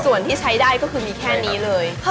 ส่วนที่ใช้ได้ก็คือมีแค่นี้เลย